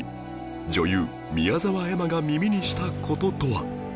女優宮澤エマが耳にした事とは